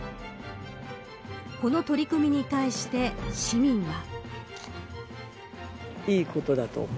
この取り組みに対して市民は。